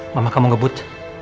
mama kamu ngebut